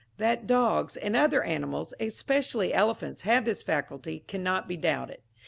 That dogs and other animals, especially elephants, have this faculty, cannot be doubted.